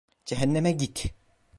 Cehenneme git!